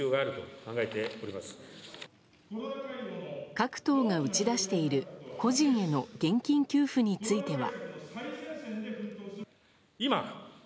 各党が打ち出している個人への現金給付については。